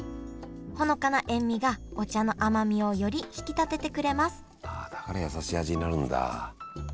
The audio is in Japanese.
ほのかな塩みがお茶の甘みをより引き立ててくれますだからやさしい味になるんだ。